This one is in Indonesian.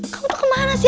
kamu tuh kemana sih